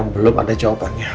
tapi belum ada jawabannya